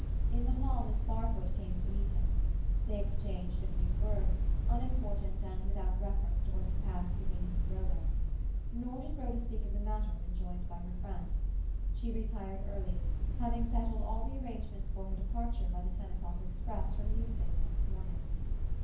In the hall Miss Barfoot came to meet him; they exchanged a few words, unimportant and without reference to what had passed between him and Rhoda. Nor did Rhoda speak of the matter when joined by her friend. She retired early, having settled all the arrangements for her departure by the ten o'clock express from Euston next morning.